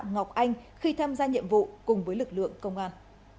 ngọc anh khi tham gia nhiệm vụ cùng với lực lượng công an